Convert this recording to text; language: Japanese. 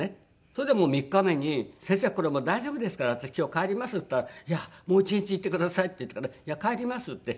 それでもう３日目に「先生これもう大丈夫ですから私今日帰ります」って言ったら「いやもう１日いてください」って言ったから「いや帰ります」って。